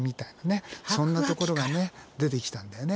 そんなところがね出てきたんだよね。